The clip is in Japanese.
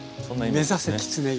目指せきつね色！